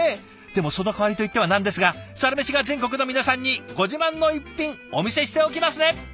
でもその代わりといってはなんですが「サラメシ」が全国の皆さんにご自慢の一品お見せしておきますね。